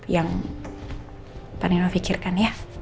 yang panino pikirkan ya